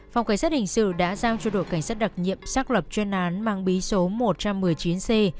phòng cảnh sát hình sự đã giao cho đội cảnh sát đặc nhiệm xác lập chuyên án mang bí số một trăm một mươi chín c